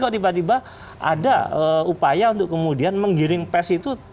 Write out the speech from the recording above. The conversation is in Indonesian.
tiba tiba ada upaya untuk kemudian menggiring pes itu